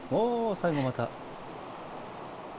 最後また。